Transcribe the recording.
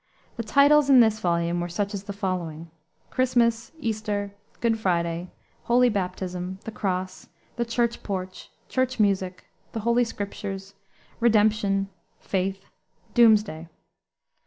The titles in this volume were such as the following: Christmas, Easter, Good Friday, Holy Baptism, The Cross, The Church Porch, Church Music, The Holy Scriptures, Redemption, Faith, Doomsday.